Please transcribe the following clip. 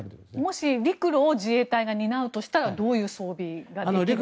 もし陸路を自衛隊が担うとしたらどういう装備ができるんでしょうか。